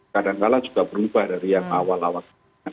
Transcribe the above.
kadang kadang juga berubah dari yang awal awal